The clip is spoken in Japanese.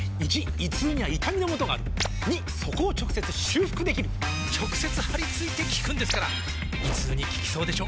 ①胃痛には痛みのもとがある②そこを直接修復できる直接貼り付いて効くんですから胃痛に効きそうでしょ？